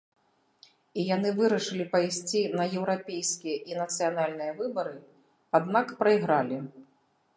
І яны вырашылі пайсці на еўрапейскія і нацыянальныя выбары, аднак прайгралі.